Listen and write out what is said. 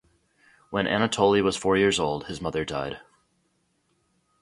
When Anatoly was four years old, his mother died.